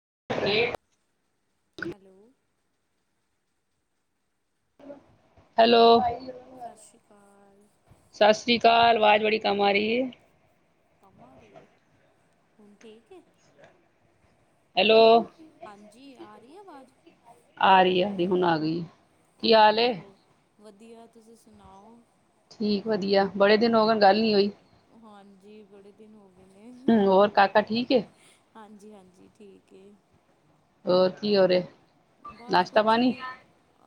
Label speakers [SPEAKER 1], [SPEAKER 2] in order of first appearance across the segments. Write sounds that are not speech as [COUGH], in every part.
[SPEAKER 1] [UNINTELLIGIBLE]
[SPEAKER 2] Hello hello, ਸਤਿ ਸ਼੍ਰੀ ਅਕਾਲ।
[SPEAKER 1] ਕ ਆਵਾਜ਼ ਬੜੀ ਕੰਮ ਆ ਰਹੀ ਹੈ।
[SPEAKER 2] ਕੰਮਾ ਰਏ ਹੁਣ ਠੀਕ ਹੈ
[SPEAKER 1] ਹੈਲੋ
[SPEAKER 2] ਹਾਂਜੀ, ਆ ਰਹੀ ਆਵਾਜ਼।
[SPEAKER 1] ਆ ਰਹੀ ਆ ਹੁਣ ਆ ਗਈ ਕਿ
[SPEAKER 2] ਹਮ
[SPEAKER 1] ਹਾਲਏ?
[SPEAKER 2] ਹੋਰ ਵਧੀਆ ਤੁਸੀਂ ਸੁਣਾਓ?
[SPEAKER 1] ਠੀਕ, ਵਧੀਆ ਬੜੇ ਦਿਨ ਹੋਗ ਗੱਲ ਨੀ ਹੋਈ।
[SPEAKER 2] ਹਾਂਜੀ, ਬੜੇ ਦਿਨ ਹੋ ਗਏ ਨੇ।
[SPEAKER 1] ਮ ਹੋਰ ਕਾਕਾ ਠੀਕ ਏ।
[SPEAKER 2] ਹਾਂਜੀ -ਹਾਂਜੀ, ਠੀਕ ਹੈ।
[SPEAKER 1] ਹੋਰ ਕਿ ਹੋ ਰਿਹਾ?
[SPEAKER 2] ਬਸ
[SPEAKER 1] ਨਾਸ਼ਤਾ
[SPEAKER 2] ਕੁਛ
[SPEAKER 1] ਪਾਣੀ
[SPEAKER 2] ਨੀ।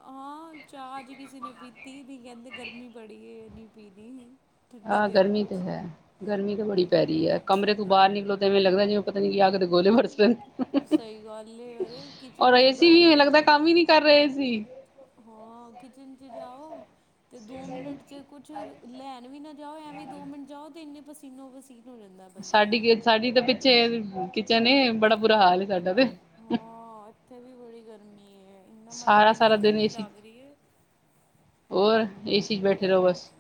[SPEAKER 2] ਹਾਂ, ਚਾਹ ਅਜ ਕਿਸੇ ਨੇ ਪੀਤੀ ਨੀ ਕਹਿੰਦੇ ਗਰਮੀ ਬੜੀ ਏ ਨੀ ਪੀਦੀ
[SPEAKER 1] ਆ ਗਰਮੀ ਤੇ ਹੈ ਗਰਮੀ ਤਾਂ ਬੜੀ ਪੈ ਰਹੀ
[SPEAKER 2] ਹਮ
[SPEAKER 1] ਹੈ ਕਮਰੇ ਤੋਂ ਬਾਹਰ
[SPEAKER 2] ਗਰਮੀ
[SPEAKER 1] ਨਿਕਲੋ ਤੇਵੇਂ ਲੱਗਦਾ ਜਿਵੇਂ ਪਤਾ ਨੀ ਆ ਗੋਲੇ ਵਰਸ
[SPEAKER 2] ਸਹੀ ਗੱਲ ਏ ਅਰੇ
[SPEAKER 1] ਔਰ
[SPEAKER 2] ਕਿਚਨ 'ਚ
[SPEAKER 1] ਅਏ ਸੀ
[SPEAKER 2] ਦੋ
[SPEAKER 1] ਵੀ
[SPEAKER 2] ਮਿੰਟ
[SPEAKER 1] ਲੱਗਦਾ ਕੰਮ ਹੀ ਨਹੀਂ ਕਰ ਰਹੇ ਸੀ
[SPEAKER 2] ਹਾਂ, ਕਿਚਨ ਚ ਜਾਓ। ਤੇ ਦੋ ਮਿੰਟ ਚ ਕੁਛ ਲੈਣ ਵੀ ਨਾ ਜਾਓ ਐਵੇਂ ਦੋ ਮਿੰਟ ਜਾਓ ਤੇ ਇੰਨੇ ਪਸੀਨੋ ਪਸੀਨ ਹੋ ਜਾਂਦਾ ਬੰਦਾ
[SPEAKER 1] ਸਾਡੀ ਸਾਡੀ ਤਾਂ ਪਿੱਛੇ ਕਿਚਨ ਏ, ਬੜਾ ਬੁਰਾ ਹਾਲ ਸਾਡਾ ਤੇ
[SPEAKER 2] ਹਾਂ ਇੱਥੇ ਵੀ ਬੜੀ ਗਰਮੀ ਹੈ। ਇਨਾ ਮਤਲਬ
[SPEAKER 1] ਸਾਰਾ
[SPEAKER 2] ਇੰਨੀ
[SPEAKER 1] ਸਾਰਾ ਦਿਨ
[SPEAKER 2] ਗਰਮੀ
[SPEAKER 1] ਏਸੀ
[SPEAKER 2] ਲੱਗ ਰਹੀ ਹੈ।
[SPEAKER 1] ਹੋਰ ਏਸੀ 'ਚ ਬੈਠੇ ਰਹੋ ਬਸ।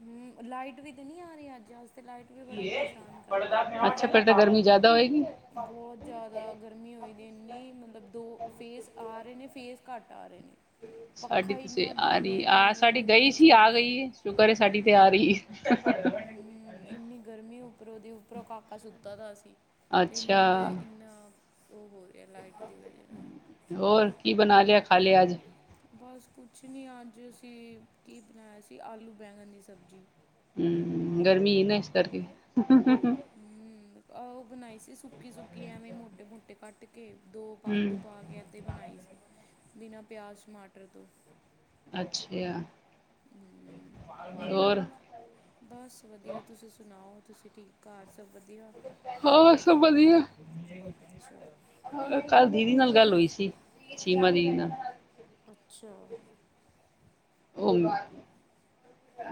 [SPEAKER 2] ਹਮ ਲਾਈਟ ਵੀ ਤੇ ਨਹੀ ਆ ਰਹੀ ਅੱਜ ਤੇ ਲਾਈਟ ਵੀ ਬੜਾ ਪਰੇਸ਼ਾਨ ਕਰ ਰਹੀ ਹੈ
[SPEAKER 1] ਅੱਛਾ! ਫੇਰ ਤਾਂ ਗਰਮੀ ਜ਼ਿਆਦਾ ਹੋਏਗੀ।
[SPEAKER 2] ਬਹੁਤ ਜ਼ਿਆਦਾ ਗਰਮੀ ਹੋਈ ਇੰਨੀ ਮਤਲਬ ਦੋ ਫੇਸ ਆ ਰਹੇ ਨੇ ਫੇ ਘੱਟ ਆ ਰਹੇ ਨੇ
[SPEAKER 1] ਸਾਡੀ
[SPEAKER 2] ਪੱਖਾ
[SPEAKER 1] ਤੇ
[SPEAKER 2] ਇੰਨਾ
[SPEAKER 1] ਆ ਰਹੀ
[SPEAKER 2] ਧੀਮੇ
[SPEAKER 1] ਆ
[SPEAKER 2] ਧੀਮੇ
[SPEAKER 1] ਸਾਡੀ ਗਈ
[SPEAKER 2] ਧੀਮੇ
[SPEAKER 1] ਸੀ
[SPEAKER 2] ਚੱਲ
[SPEAKER 1] ਆ
[SPEAKER 2] ਰਿਹਾ
[SPEAKER 1] ਗਈ ਸ਼ੁਕਰ ਸਾਡੀ ਤੇ ਆ ਰਹੀ [UNINTELLIGIBLE]
[SPEAKER 2] ਉੱਰ ਉਹਦੇ ਉੱਪਰੋਂ ਕਾਕਾ ਸੁੱਤਾ ਦਾ ਸੀ ਤੇ
[SPEAKER 1] ਅੱਛਾ
[SPEAKER 2] ਇਦੇ ਇਨਾ ਉਹ ਹੋ ਰਿਹਾ ਲਾਈਟ ਦੀ ਵਜ੍ਹਾ ਨਾਲ
[SPEAKER 1] ਹੋਰ ਕੀ ਬਣਾ ਲਿਆ ਖਾ ਲਿਆ ਅੱਜ?
[SPEAKER 2] ਬਸ ਕੁਛ ਨਹੀਂ ਅੱਜ ਅਸੀਂ ਕਿ ਬਣਾਇਆ ਸੀ ਆਲੂ ਬੈਗਨ ਦੀ ਸਬਜ਼ੀ।
[SPEAKER 1] ਹਮ ਗਰਮੀ ਹੈ ਨਾ ਇਸ ਕਰਕੇ
[SPEAKER 2] ਹੂੰ ਆਹ ਉਹ ਬਣਾਈ ਸੀ ਸੁੱਕੀ -ਸੁੱਕੀ ਐਵੇਂ ਮੋਟੇ -ਮੋਟੇ ਕੱਟ ਕੇ ਦੋ ਆਲੂ
[SPEAKER 1] ਹਮ
[SPEAKER 2] ਪਾ ਕੇ ਤੇ ਬਣਾਈ ਸੀ ਬਿਨਾਂ ਪਿਆਜ਼, ਟਮਾਟਰ ਤੋਂ
[SPEAKER 1] ਅੱਛਾ
[SPEAKER 2] ਹ
[SPEAKER 1] ਹੋਰ
[SPEAKER 2] ਬਸ ਵਧੀਆ ਤੁਸੀਂ ਸੁਣਾਓ ਤੁਸੀਂ ਠੀਕ? ਘਰ ਸਭ ਵਧੀਆ
[SPEAKER 1] ਹਾਂ, ਸਭ ਵਧੀਆ।
[SPEAKER 2] ਅੱਛਾ
[SPEAKER 1] ਦੀਦੀ ਨਾਲ ਗੱਲ ਹੋਈ ਸੀ। ਚੀਮਾ ਦੀਦੀ ਨਾਲ
[SPEAKER 2] ਅੱਛਾ
[SPEAKER 1] ਉਹ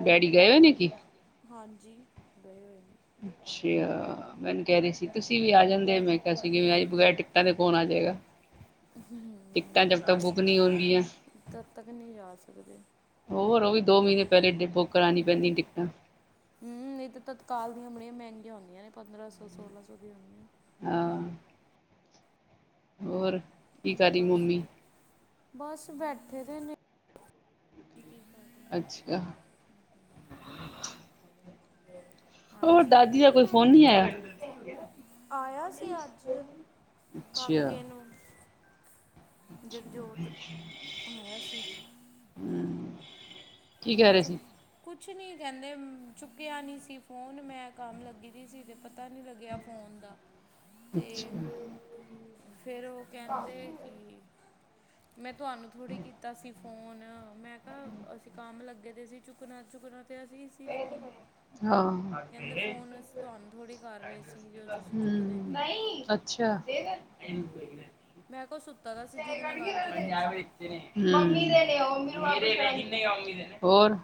[SPEAKER 1] ਡੈਡੀ ਗਏ ਹੋ ਨੇ ਕਿ?
[SPEAKER 2] ਹਾਂਜੀ, ਗਏ ਹੋਏ ਨੇ।
[SPEAKER 1] ਅੱਛਾ, ਮੈਨੂੰ ਕਹਿ ਰਹੀ ਸੀ ਤੁਸੀਂ ਵੀ ਆ ਜਾਂਦੇ। ਮੈਂ ਕਿਹਾ ਸੀ ਅਸੀ ਬਗੈਰ ਟਿਕਟਾਂ ਦੇ ਕੌਣ ਆ ਜਾਂ ਹੈਗਾ ਨਹੀਂ ਹੋਣਗੀਆਂ
[SPEAKER 2] ਤਦ ਤੱਕ ਨਹੀਂ ਜਾ ਸਕਦੇ
[SPEAKER 1] ਹੋਰ ਉਹ ਵੀ ਦੋ ਮਹੀਨੇ ਪਹਿਲੇ, ਬੁੱਕ ਕਰਾਉਣੀ ਪੈਂਦੀ ਟਿਕਟਾਂ।
[SPEAKER 2] ਹਮ ਇਹ ਤੇ ਤਤਕਾਲ ਦੀਆਂ ਬੜੀਆਂ ਮਹਿੰਗੀਆਂ ਹੁੰਦੀਆਂ ਨੇ, ਪੰਦਰਾਂ ਸੌ, ਸੋਲਾਂ ਸੌ ਦੀ ਹੁੰਦੀਆਂ ਨੇ।
[SPEAKER 1] ਹਾਂ ਹੋਰ ਕੀ ਕਰ ਰੀ
[SPEAKER 2] ਬਸ
[SPEAKER 1] ਮੰਮੀ
[SPEAKER 2] ਬਸ ਬੈਠੇ ਦੇ ਨੇ
[SPEAKER 1] ਅੱਛਾ ਹੋਰ
[SPEAKER 2] ਹਾਂਜੀ
[SPEAKER 1] ਦਾਦੀ ਦਾ ਕੋਈ ਫੋਨ ਨਹੀਂ ਆਇਆ
[SPEAKER 2] ਆਇਆ ਸੀ ਅੱਜ
[SPEAKER 1] ਅੱਛਾ
[SPEAKER 2] ਕਾਕੇ ਨੂੰ ਜਗ ਜੋੋਤ ਹੁਣ ਆਇਆ ਸੀ ਤੇ
[SPEAKER 1] ਕੀ
[SPEAKER 2] ਮੈਂ
[SPEAKER 1] ਕਹਿ ਰਹੇ
[SPEAKER 2] ਚੂ
[SPEAKER 1] ਸੀ
[SPEAKER 2] ਕੁਛ ਕੁਛ ਨੀ ਕਹਿੰਦੇ, ਚੁੱਕਿਆ ਨੀ ਸੀ ਫੋਨ ਮੈਂ ਕੰਮ ਲੱਗੀ ਸੀ ਤੇ ਪਤਾ ਨੀ ਲੱਗਿਆ ਫੋਨ ਦਾ, ਤੇ
[SPEAKER 1] ਅੱਛਾ
[SPEAKER 2] ਫੇਰ ਉਹ ਕਹਿੰਦੇ ਕਿ ਮੈਂ ਤੁਹਾਨੂੰ ਥੋੜ੍ਹੇ ਕੀਤਾ ਸੀ ਫੋਨ, ਮੈਂ ਕਿਹਾ ਅ ਲੱਗੇ ਦੇ ਸੀ ਚੂਕਨਾ ਚੁਕਨਾ ਲਗੀ ਸੀ ਫੋਨ,
[SPEAKER 1] ਹਾਂ
[SPEAKER 2] ਕਹਿੰਦੇ ਫੋਨ ਤੁਹਾਨੂੰ ਥੋੜੀ ਕਰ ਰਹੇ ਸੀ, ਜੋਂ ਤੁਸੀਂ ਚੁੱਕਦੇ
[SPEAKER 1] ਹਮ
[SPEAKER 2] ਨਹੀਂ
[SPEAKER 1] ਅੱਛਾ
[SPEAKER 2] ਮੈਂ ਕੋਲੱ
[SPEAKER 1] ਮੰਮੀ ਦੇ ਲੇਯਾ ਹੋਰ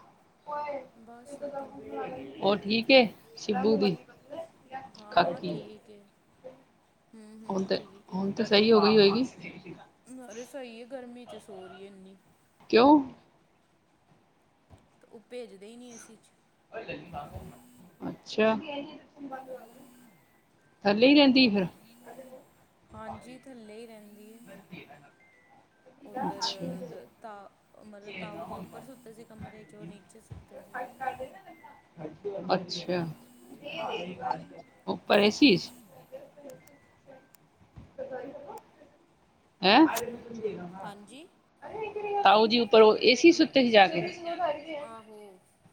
[SPEAKER 2] ਬਸ ਵਧੀਆ
[SPEAKER 1] ਹੋ ਠੀਕ ਏ, ਸਿੱਧੂ ਦੀ
[SPEAKER 2] ਹਾਂ,
[SPEAKER 1] ਕਾਕੀ
[SPEAKER 2] ਠੀਕ ਏ।
[SPEAKER 1] ਹੁਣ ਤਾਂ ਹੁਣ ਤਾਂ ਸਹੀ ਹੋ ਗਈ ਹੋਏਗੀ
[SPEAKER 2] ਰਸੋਈ ਹੈ, ਗਰਮੀ ਚ ਸੋ ਰਹੀ ਹੈ ਇੰਨੀ
[SPEAKER 1] ਕਿਓਂ
[SPEAKER 2] ਤੇ ਔਹ ਭੇਜਦੇ ਹੀ ਨਹੀਂ ਅਸੀ ਚ
[SPEAKER 1] ਅੱਛਾ ਥੱਲੇ ਹੀ ਰਹਿੰਦੀ ਫਿਰ
[SPEAKER 2] ਹਾਂਜੀ ਥੱਲੇ ਹੀ ਰਹਿੰਦੇ
[SPEAKER 1] ਵਰਤੀ [INAUDIBLE]
[SPEAKER 2] ਉੱਧਰ, ਤਾ ਉਹ ਮਤਲਬ ਤਾਊ ਜੀ ਉੱਪਰ ਸੁੱਤੇ ਸੀ ਕਮਰੇ ਚ, ਔ ਨੀਚੇ ਸੁੱਤੇ ਸੀ।
[SPEAKER 1] ਅੱਛਾ ਪਰ ਏ ਸੀ ਚ ਹੈਂ ਤਾਉ ਜੀ
[SPEAKER 2] ਤਾਓ ਜੀ
[SPEAKER 1] ਏਸੀ
[SPEAKER 2] ਉੱਪਰ
[SPEAKER 1] ਸੁੱਤੇ
[SPEAKER 2] ਏ ਸੀ
[SPEAKER 1] ਜਾ ਕੇ
[SPEAKER 2] ਸੁੱਤੇ ਸੀ, ਜਾ ਕੇ, ਆਹੋ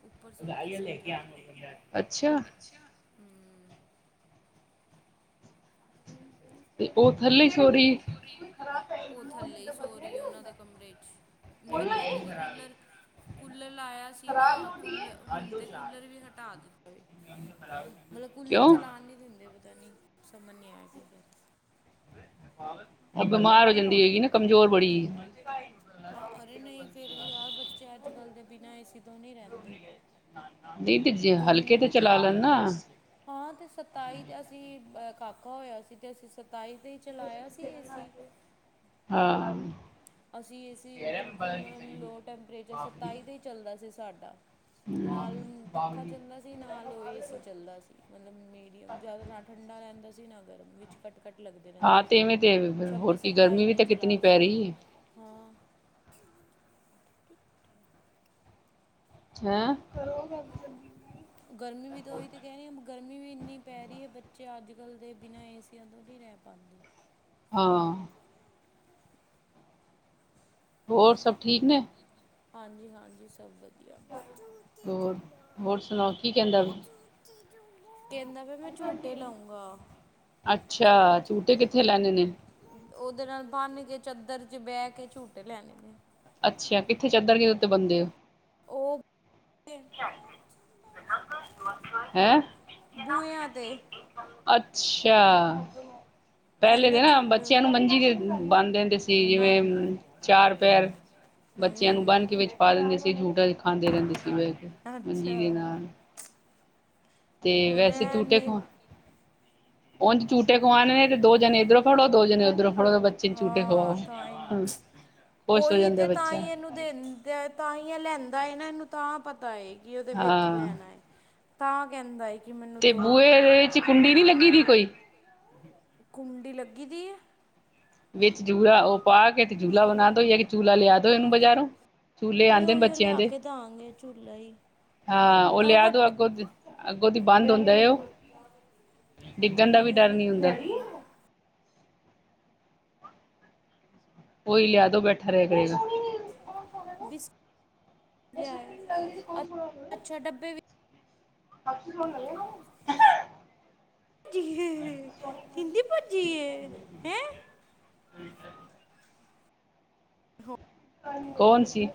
[SPEAKER 2] ਉੱਪਰ ਸੁੱਤੇ ਸੀ, ਔ ਜਾ ਕੇ, ਅੱਛਾ
[SPEAKER 1] ਤੇ ਔ ਥੱਲੇ ਹੀ ਸੋ ਰਹੀ
[SPEAKER 2] ਉਹ ਥੱਲੇ ਹੀ ਸੋਹ ਰਹੀ ਐ, ਉਹਨਾਂ ਦੇ ਕਮਰੇ ਚ, ਨਹੀਂ ਪੈਲੇ ਤੇ ਕੂਲਰ ਕੂਲਰ ਲਾਇਆ ਸੀ ਨਾ, ਕੂਲ ਹੁਣ ਤੇ ਕੂਲਰ ਵੀ ਹਟਾ ਦਿੱਤੇ। ਮਤਲਬ ਕੂਲਰ
[SPEAKER 1] ਕਿਉਂ
[SPEAKER 2] ਚਲਾਉਣ ਨੀ ਦਿੰਦੇ ਪਤਾ ਨੀ, ਸਮਝ ਨੀ ਆਇਆ ਕੀ ਕਰ
[SPEAKER 1] ਬਿਮਾਰ ਹੋ ਜਾਂਦੀ ਹੈਗੀ ਨਾ, ਕਮਜ਼ੋਰ ਬੜੀ
[SPEAKER 2] ਹਾਂ ਅਰੇ ਨਹੀਂ ਫੇਰ ਵੀ, ਯਾਰ ਬੱਚੇ ਅੱਜ ਕੱਲ ਦੇ ਬਿਨਾਂ ਇਸ
[SPEAKER 1] ਰੂ ਨ ਗ
[SPEAKER 2] ਗਰਮੀ ਵੀ ਤੇ ਇਨੀ, ਹਾਂ ਤੇ ਸਤਾਈ ਚ ਅਸੀਂ ਕਾਕਾ ਹੋਇਆ ਸੀ, ਤੇ ਅਸੀਂ ਸਤਾਈ ਤੇ ਹੀ ਚਲਾਇਆ ਸੀ ਏਸੀ।
[SPEAKER 1] ਹਾਂ
[SPEAKER 2] ਅਸੀਂ ਏ ਸੀ ਬਿਲਕੁਲ ਮਤਲਬ ਲੋਅ ਟੈਂਪਰੇਚਰ ਸਤਾਈ ' ਹੀ ਚੱਲਦਾ ਸੀ ਸਾਡਾ।
[SPEAKER 1] ਹੂ
[SPEAKER 2] ਨਾਲ ਪੱਖਾ ਚੱਲਦਾ ਸੀ, ਨਾਲ ਔ ਏ ਸੀ ਚੱਲਦਾ ਸੀ, ਮਤਲਬ ਮੀਡੀਅਮ, ਜ਼ਿਆਦਾ ਨਾ ਠੰਡਾ ਰਹਿੰਦਾ ਸੀ। ਨਗਰ ਵਿੱਚ ਕੱਟ
[SPEAKER 1] ਹਾਂ, ਤੇ ਇਵੇਂ ਤੇ ਹੋਰ ਕੀ
[SPEAKER 2] ਸਤਾਈ
[SPEAKER 1] ਗਰਮੀ ਵੀ
[SPEAKER 2] 'ਤੇ
[SPEAKER 1] ਤਾਂ
[SPEAKER 2] ਚਲਾ
[SPEAKER 1] ਕਿਤਨੀ ਪੈ
[SPEAKER 2] ਸਕਦੇ
[SPEAKER 1] ਰਹੀ ਹੈ।
[SPEAKER 2] ਹਾਂ।
[SPEAKER 1] ਹੈਂ।
[SPEAKER 2] ਗਰਮੀ ਵੀ ਤਾਂ ਉਹੀ ਤੇ ਕਹਿ ਰਹੀ ਐ ਗਰਮੀ ਵੀ ਇੰਨੀ ਪੈ ਰਹੀ ਹੈ, ਬੱਚੇ ਅੱਜ-ਕੱਲ ਦੇ ਬਿਨਾ ਏਸੀਆਂ ਤੋਂ ਨੀ ਰਹਿ ਪਾਦੇ।
[SPEAKER 1] ਹਾਂ। ਹੋਰ ਸਭ ਠੀਕ ਨੇ?
[SPEAKER 2] ਹਾਂਜੀ-ਹਾਂਜੀ ਸਭ ਵਧੀਆ।
[SPEAKER 1] ਹੋਰ-ਹੋਰ ਸੁਣਾਓ ਕੀ ਕਹਿੰਦਾ ਤ?
[SPEAKER 2] ਕਹਿੰਦਾ ਪਿਆ ਮੈਂ ਝੂਟੇ ਲਊਂਗਾ।
[SPEAKER 1] ਅੱਛਾ, ਝੂਟੇ ਕਿੱਥੇ ਲੈਣੇ ਨੇ?
[SPEAKER 2] ਉਹਦੇ ਨਾਲ ਬੰਨ ਕੇ ਚਾਦਰ ਚ ਬਹਿ ਕੇ ਝੂਟੇ ਲੈਣੇ ਨੇ।
[SPEAKER 1] ਅੱਛਾ, ਕਿੱਥੇ ਚਾਦਰ ਕਿ ਉਤੇ ਬੰਦੇ ਹੋ।
[SPEAKER 2] ਉਹ
[SPEAKER 1] ਹੈਂ
[SPEAKER 2] ਬੂਹਿਆਂ ਤੇ
[SPEAKER 1] ਅੱਛਾ, ਪਹਿਲੇ
[SPEAKER 2] ਕਹਿੰਦਾ
[SPEAKER 1] ਦੇ ਨਾ
[SPEAKER 2] ਝੁੱਲ
[SPEAKER 1] ਬੱਚਿਆਂ ਨੂੰ ਮੰਜੀ ਦੇ ਬਣਦੇ ਸੀ ਜਿਵੇਂ,
[SPEAKER 2] ਬੰਨ
[SPEAKER 1] ਚਾਰ ਪੈਰ ਬੱਚਿਆਂ ਨੂੰ ਬੰਨ
[SPEAKER 2] ਹੂੰ
[SPEAKER 1] ਕੇ ਵਿੱਚ ਪਾ ਦਿੰਦੇ ਸੀ, ਝੂਟਾ ਖਾਂਦੇ ਰਹਿੰਦੇ ਸੀ, ਵੀ ਮੰਜੀ
[SPEAKER 2] ਅੱਛਾ
[SPEAKER 1] ਦੇ ਨਾਲ ਤੇ ਵੈਸੇ
[SPEAKER 2] ਉਹਨੇ
[SPEAKER 1] ਝੂਟੇ
[SPEAKER 2] ਨੇ
[SPEAKER 1] ਖਾ ਉਝ ਝੂਟੇ ਕਮਾਨ ਨੇ ਤੇ ਦੋ ਜਣੇ ਇੱਧਰੋਂ ਫੜੋ ਦੋ ਜਣੇ ਉੱਧਰੋਂ ੜੋ ਬੱਚੇ ਝੂਟੇ ਖਵਾਓ,
[SPEAKER 2] ਹਾਂ ਤਾਂ ਹੀ
[SPEAKER 1] ਖੁਸ਼ ਹੋ
[SPEAKER 2] ਉਹੀ
[SPEAKER 1] ਜਾਂਦਾ
[SPEAKER 2] ਤੇ ਤਾਂ
[SPEAKER 1] ਬੱਚਾ
[SPEAKER 2] ਹੀ ਇਹਨੂੰ ਦ ਤਾਂਹੀ ਆ ਲੈਂਦਾ। ਇਹਨੂੰ ਤਾਂ ਪਤਾ ਹੈ, ਕਿ ਉਹਦੇ ਵਿੱਚ
[SPEAKER 1] ਹਾਂ
[SPEAKER 2] ਲੈਣਾ ਹੈ ਤਾਂ ਕਹਿੰਦਾ ਹੈ। ਕਿ ਮੈਨੂੰ
[SPEAKER 1] ਤੇ
[SPEAKER 2] ਦੋ
[SPEAKER 1] ਬੂਹੇ ਚ ਕੁੰਡੀ ਨੀ ਲੱਗੀ ਦੀ ਕੋਈ
[SPEAKER 2] ਕੁੰਡੀ ਲੱਗੀ ਦੀ ਐ
[SPEAKER 1] ਵਿੱਚ ਜੂਲਾ ਉਹ ਪਾ ਕੇ ਤੇ ਜੂਲਾ ਬਣਾ ਦੋ ਜਾ ਕਿ ਚੂਲਾ ਲਿਆ ਦੋ ਇਹਨੂੰ ਬਾਜ਼ਾਰੋਂ ਚੂਲੇ
[SPEAKER 2] ਅਰੇ
[SPEAKER 1] ਆਦੇ ਨੇ
[SPEAKER 2] ਉਹੀ
[SPEAKER 1] ਬੱਚਿਆਂ
[SPEAKER 2] ਲਿਆ
[SPEAKER 1] ਦੇ,
[SPEAKER 2] ਕੇ ਦਾਂਗੇ ਝੂਲਾ ਹੀ
[SPEAKER 1] ਹਾਂ ਉਹ
[SPEAKER 2] ਆ
[SPEAKER 1] ਲਿਆ ਦੋ
[SPEAKER 2] ਵੱਡਾ
[SPEAKER 1] ਅੱਗੋਂ ਦੀ ਬੰਦ ਹੁੰਦਾ ਉਹ, ਡਿੱਗਣ ਦਾ ਵੀ
[SPEAKER 2] ਮੈਂ
[SPEAKER 1] ਡਰ
[SPEAKER 2] ਨਹੀਂ
[SPEAKER 1] ਨ ਹੁੰਦਾ।
[SPEAKER 2] ਪੀਣੀ
[SPEAKER 1] ਉਹੀ ਲਿਆਦੋ ਬੈਠਾ ਰਹਿ ਕਰੇਗਾ।
[SPEAKER 2] ਬਿਸ
[SPEAKER 1] ਇਸ
[SPEAKER 2] ਲਿਆਇਆ
[SPEAKER 1] ਲੱਗ ਕੌਣ ਸੁਣਾ
[SPEAKER 2] ਅੱ-
[SPEAKER 1] ਹੋ।
[SPEAKER 2] ਅੱਛਾ ਡੱਬੇ ਵੀ
[SPEAKER 1] ਅੱਛਾ ਫੋਨ
[SPEAKER 2] ਭੱਜੀਏ ਹੈਂ।
[SPEAKER 1] ਠੀਕ ਹੈ। ਕੌਣ ਸੀ?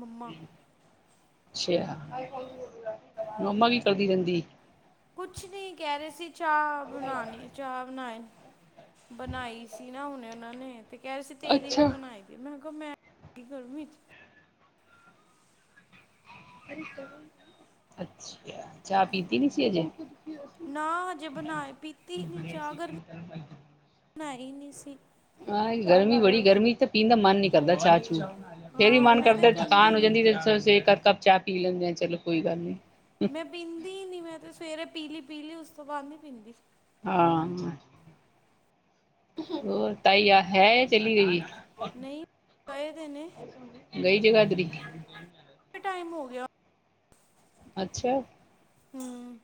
[SPEAKER 2] ਮੰਮਾ।
[SPEAKER 1] ਅਛਿਆ, ਮੰਮਾ ਕੀ ਕਰਦੀ ਰਹਿੰਦੀ।
[SPEAKER 2] ਕੁਛ ਨੀ ਕਹਿ ਰਹੇ ਸੀ, ਚਾਹ ਬਣਾਣੀ ਚਾਹ ਬਣਾਏ। ਬਣਾਈ ਸੀ ਨਾ, ਹੁਨ ਉਹਨਾਂ ਨੇ ਤੇ ਕਹਿ ਰਹੇ ਸੀ ਤੇਰੀ ਵੀ
[SPEAKER 1] ਅੱਛਾ
[SPEAKER 2] ਬਣਾਈ ਦੀ ਮੈਂ ਕਿ ਮੈਂ ਗਰਮੀ 'ਚ
[SPEAKER 1] ਅੱਛਾ, ਚਾਹ ਪੀਤੀ ਨੀ ਸੀ ਅਜੇ।
[SPEAKER 2] ਨਾ ਹਜੇ ਬਣਾਏ, ਪੀਤੀ ਨੀ ਚਾਹ ਗਰਮੀ ਬਣਾਈ ਨੀ।
[SPEAKER 1] ਹਾਂ ਗਰਮੀ ਬੜੀ ਗਰਮੀ ਚ ਤਾਂ ਪੀਣ ਦਾ ਮਨ ਨੀ ਕਰਦਾ ਚਾਹ ਚੂ ਫੇਰ ਵੀ
[SPEAKER 2] ਹਾਂ
[SPEAKER 1] ਮਨ
[SPEAKER 2] ਮੈਂ ਤੇ
[SPEAKER 1] ਕਰਦਾ ਥਕਾਨ
[SPEAKER 2] ਪੀਂਦੀ
[SPEAKER 1] ਹੋ
[SPEAKER 2] ਨਹੀਂ
[SPEAKER 1] ਜਾਂਦੀ ਐ, ਤੇ ਛੇ ਅ ਕੱਪ ਚਾਹ ਪੀ ਲੈਂਦੇ ਆ ਚਲੋ ਕੋਈ ਗੱਲ ਨੀ।
[SPEAKER 2] ਮੈਂ ਪੀਂਦੀ ਨੀ ਮੈਂ ਤੇ ਸਵੇਰੇ ਪੀਲੀ-ਪੀਲੀ ਉਸ ਤੋਂ ਬਾਅਦ ਨੀ ਪੀਂਦੀ।
[SPEAKER 1] ਹਾਂ, ਹੋਰ ਤਾਈ ਆ ਹੈ ਚਲੀ ਗਈ।
[SPEAKER 2] ਨਹੀਂ ਚਾਹੀਦੇ ਨੇ,
[SPEAKER 1] ਗਈ ਜਗਾਦਰੀ
[SPEAKER 2] ਟਾਈਮ ਹੋ ਗਿਆ।
[SPEAKER 1] ਅੱਛਾ,
[SPEAKER 2] ਹੂੰ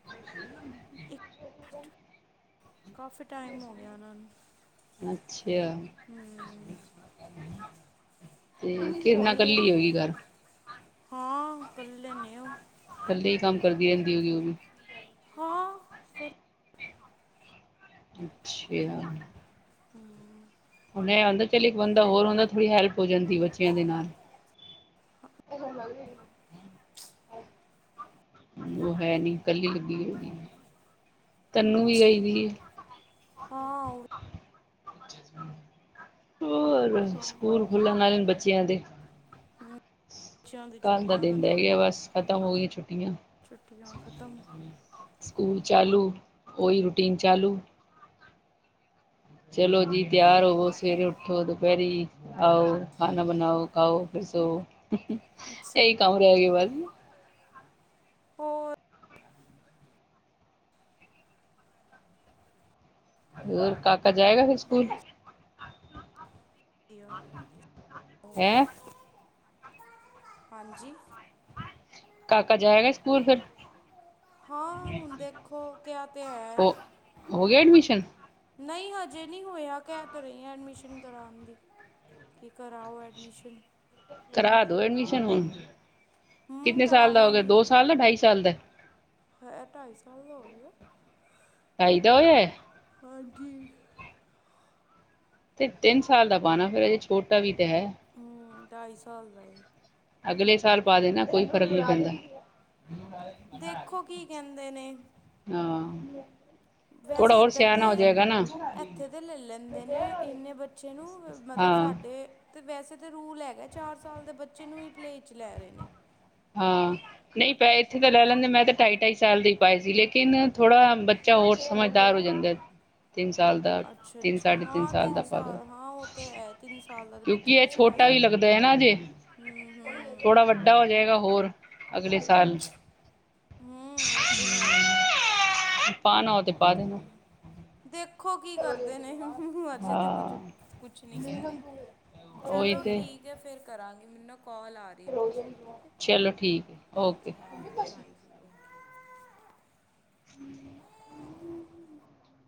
[SPEAKER 2] ਕਾਫੀ ਟਾਈਮ ਹੋ ਗਿਆ ਉਹਨਾਂ ਨੂੰ
[SPEAKER 1] ਅੱਛਾ
[SPEAKER 2] ਹਮ,
[SPEAKER 1] ਤੇ ਕਿਹੋ।
[SPEAKER 2] ਹਾਂ ਕੱਲੇ ਨੇ ਉਹ
[SPEAKER 1] ਜਲਦੀ ਹੀ ਕੰਮ ਕਰਦੀ ਜਲਦੀ [INAUDIBLE] ਉਹ ਵੀ
[SPEAKER 2] ਹਾਂ।
[SPEAKER 1] ਅੱਛਾ
[SPEAKER 2] ਹਮ
[SPEAKER 1] ਹੁਣ ਇਹ ਆਦਾ ਚੱਲ ਇੱਕ ਬੰਦਾ ਹੋਰ ਹੁੰਦਾ ਥੋੜ੍ਹੀ ਹੈਲਪ ਹੋ ਜਾਂਦੀ ਬੱਚਿਆਂ ਦੇ ਨਾਲ। ਇਹ ਉਹ ਹੈ ਨੀ ਇਕੱਲੀ ਲੱਗੀ ਹੋਈ ਤਨੂੰ ਵੀ ਆਈਦੀ ਏ।
[SPEAKER 2] ਹਾਂ ਉਹ ਵੀ।
[SPEAKER 1] ਹ ਹੋਰ ਸਕੂਲ ਖੁੱਲਣ ਵਾਲੇ ਬੱਚਿਆਂ ਦੇ।
[SPEAKER 2] ਹਮ, ਬੱਚਿਆਂ ਦੀ
[SPEAKER 1] ਕੱਲ ਦਾ
[SPEAKER 2] ਛੁੱਟੀਆਂ
[SPEAKER 1] ਦਿਨ ਰਹਿ
[SPEAKER 2] ਖਤਮ
[SPEAKER 1] ਗਿਆ ਬਸ ਖਤਮ ਹੋ ਗਈ ਛੁੱ। ਛੁੱਟੀਆਂ
[SPEAKER 2] ਛੁੱਟੀਆਂ ਖਤਮ
[SPEAKER 1] ਸਕੂਲ। ਚਾਲੂ ਉਹ ਹੀ ਰੂਟੀਨ ਚਾਲੂ। ਚਲੋ ਜੀ ਤਿਆਰ
[SPEAKER 2] ਹਮ,
[SPEAKER 1] ਹੋਵੋ ਸਵੇਰੇ ਉੱਠ। ਥੋ ਦੁਪਹਿਰੀ ਆਓ ਖਾਨਾ ਬਣਾਓ ਖਾਓ ਫਿਰ ਸੋ। ਇਹ
[SPEAKER 2] ਅੱਛਾ
[SPEAKER 1] ਹੀ ਕੰਮ ਰਹਿ ਗਏ ਬਸ।
[SPEAKER 2] ਹੋਰ
[SPEAKER 1] ਹੋਰ ਕਾਕਾ ਜਾਏਗਾ ਫਿਰ ਸਕੂਲ?
[SPEAKER 2] ਬਸ ਵਧੀਆ
[SPEAKER 1] ਹੈਂ?
[SPEAKER 2] ਹਾਂਜੀ
[SPEAKER 1] ਕਾਕਾ ਜਾਏਗਾ ਇਸ ਸਕੂਲ ਫਿਰ।
[SPEAKER 2] ਹਾਂ ਹੁਣ ਦੇਖੋ ਕਿਹਾ ਤੇ ਹੈ।
[SPEAKER 1] ਹੋ ਹੋ ਗਿਆ ਐਡਮਿਸ਼ਨ
[SPEAKER 2] ਨਹੀਂ ਹਜੇ ਨਹੀਂ ਹੋਇਆ, ਕਹਿ ਤਾ ਰਹੀ ਆ ਐਡਮਿਸ਼ਨ ਕਰਾਣ ਦੀ। ਕਿ ਕਰਾਓ ਐਡਮਿਸ਼ਨ,
[SPEAKER 1] ਕਰਾ ਦੋ ਐਡਮਿਸ਼ਨ ਹੁਣ।
[SPEAKER 2] ਹਾਂ
[SPEAKER 1] ਕਿਤਨੇ ਸਾਲ ਦਾ ਹੋ ਗਿਆ
[SPEAKER 2] ਕਰਾਵਾਂਗੀ
[SPEAKER 1] ਦੋ ਸਾਲ ਦਾ ਢਾਈ ਸਾਲ ਦਾ
[SPEAKER 2] ਹੈ ਢਾਈ ਸਾਲ ਦਾ ਹੋ।
[SPEAKER 1] ਖਾਈਦਾ ਹੋਏ।
[SPEAKER 2] ਹਾਂਜੀ।
[SPEAKER 1] ਤੇ ਤਿੰਨ ਸਾਲ ਦਾ ਪਾਉਣਾ ਫੇਰ ਅਜੇ ਛੋਟਾ ਵੀ ਤੇ ਹੈ।
[SPEAKER 2] ਹਮ ਢਾਈ ਸਾਲ ਦਾ ਏ।
[SPEAKER 1] ਅਗਲੇ ਸਾਲ ਪਾ ਦੇਣਾ ਕੋਈ ਫ਼ਰਕ ਨਹੀਂ ਪੈਂਦਾ।
[SPEAKER 2] ਦੇਖੋ ਕੀ ਕਹਿੰਦੇ ਨੇ
[SPEAKER 1] ਹਾਂ। ਥੋੜਾ
[SPEAKER 2] ਵੈਸੇ
[SPEAKER 1] ਹੋਰ
[SPEAKER 2] ਇੱਧਰ
[SPEAKER 1] ਸਿਆਣਾ
[SPEAKER 2] ਤੇ
[SPEAKER 1] ਹੋ ਜਾਏਗਾ ਨਾ।
[SPEAKER 2] ਇੱਥੇ ਤੇ ਲੈ ਲੈਂਦੇ ਨੇ ਇੰਨੇ ਬੱਚੇ ਨੂੰ ਮਤਲਬ
[SPEAKER 1] ਹਾਂ
[SPEAKER 2] ਸਾਡੇ। ਤੇ ਵੈਸੇ ਤਾਂ ਰੂਲ ਹੈਗਾ ਚਾਰ ਸਾਲ ਦੇ ਬੱਚੇ ਨੂੰ ਹੀ ਪਲੇ ਚ ਲੈ ਰਹੇ ਨੇ।
[SPEAKER 1] ਹਾਂ ਨਹੀਂ ਪੈ ਇੱਥੇ ਤਾਂ ਲੈ ਲੈਂਦੇ ਮੈਂ ਤਾਂ ਢਾਈ ਢਾਈ ਸਾਲ ਦੇ ਪਾਏ ਸੀ ਲੇਕਿਨ ਥੋੜ੍ਹਾ ਬੱਚੇ। ਕਿਹਾ ਹੋਰ ਸਮਝਦਾਰ ਹੋ ਜਾਂਦਾ। ਤਿੰਨ ਸਾਲ ਦਾ
[SPEAKER 2] ਅੱਛਾ
[SPEAKER 1] ਤਿੰਨ
[SPEAKER 2] ਅੱਛਾ
[SPEAKER 1] ਸਾਢੇ
[SPEAKER 2] ਹਾਂ
[SPEAKER 1] ਦਾ
[SPEAKER 2] ਤਿੰਨ
[SPEAKER 1] ਪਾ ਦੋ
[SPEAKER 2] ਸਾਲ ਹਾਂ ਉਹ ਤੇ ਹੈ ਤਿੰਨ ਸਾਲ ਦਾ ਤੇ
[SPEAKER 1] ਕਿਉਂਕਿ
[SPEAKER 2] ਬੱਚਾ ਫਿਰ
[SPEAKER 1] ਇਹ ਛੋਟਾ
[SPEAKER 2] ਸਮਝਦਾਰ। ਹੋ।
[SPEAKER 1] ਲੱਗਦਾ ਹੈ ਨਾ ਜੇ
[SPEAKER 2] ਹੂੰ ਹੂੰ
[SPEAKER 1] ਥੋੜਾ ਵੱਡਾ ਹੋ ਜਾਏਗਾ। ਹੋਰ ਅਗਲੇ ਸਾਲ।
[SPEAKER 2] ਹੂੰ ਉਹ ਤਾਂ ਹੈ
[SPEAKER 1] ਪਾਣਾ ਹੋਏ ਤੇ ਪਾ ਦੇਣਾ।
[SPEAKER 2] ਦੇਖੋ ਕੀ ਕਰਦੇ ਨੇ ਅਜੇ ਤੇ ਕੁੱਝ
[SPEAKER 1] ਹਾਂ
[SPEAKER 2] ਕੁਛ ਨੀ ਕਹਿ ਰਹੇ।
[SPEAKER 1] ਉਹੀ
[SPEAKER 2] ਚਲੋ
[SPEAKER 1] ਤੇ
[SPEAKER 2] ਠੀਕ ਹੈ ਫੇਰ ਕਰਾਂਗੇ।
[SPEAKER 1] ਚਲੋ ਠੀਕ ਹੈ ਓਕੇ।
[SPEAKER 2] ਹਾਂਜੀ ਹਾਂਜੀ ਹਾਂਜੀ ਓਕੇ
[SPEAKER 1] ਹ ਹ ਹ।